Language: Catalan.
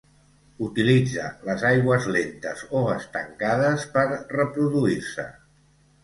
Utilitza les aigües lentes o estancades per reproduir-se.